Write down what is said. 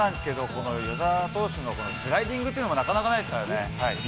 この與座投手の、このスライディングっていうのも、なかなかないですからね。